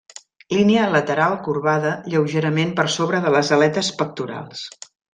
Línia lateral corbada lleugerament per sobre de les aletes pectorals.